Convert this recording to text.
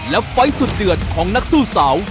และไฟล์สุดเดือดของนักสู้สาว